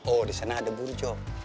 oh di sana ada bunjok